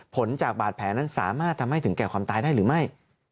ผลจากบาดแผลนั้นสามารถทำให้ถึงแก่ความตายได้หรือไม่